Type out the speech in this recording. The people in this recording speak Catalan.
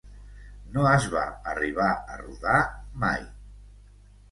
No es va arribar a rodar mai.